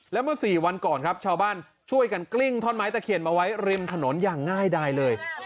และเมื่อ๔วันก่อนครับชาวบ้านช่วยกันกลิ้งท่อนไม้ตะเขียนมาไว้ริมถนนอย่างง่ายดายเลย